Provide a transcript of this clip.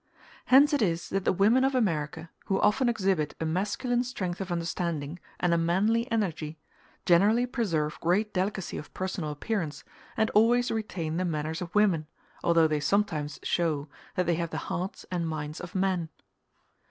Hence it is that the women of America, who often exhibit a masculine strength of understanding and a manly energy, generally preserve great delicacy of personal appearance and always retain the manners of women, although they sometimes show that they have the hearts and minds of men.